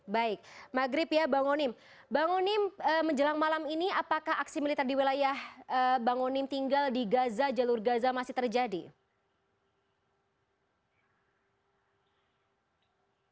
baik maghrib ya bang onim bang onim menjelang malam ini apakah aksi militer di wilayah bang onim tinggal di gaza jalur gaza masih terjadi